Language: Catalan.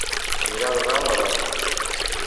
Mirar de dalt a baix.